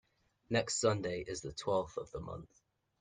Next Sunday is the twelfth of the month.